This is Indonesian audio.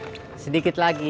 lapa kelapa kelapa